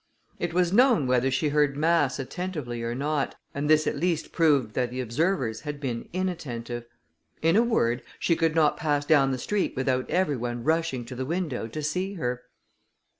It was known whether she heard mass attentively or not, and this at least proved that the observers had been inattentive; in a word, she could not pass down the street without every one rushing to the window to see her.